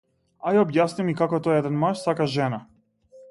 Ај објасни ми како тоа еден маж сака жена.